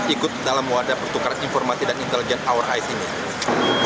ikut dalam wadah pertukaran informasi dan intelligent our high ini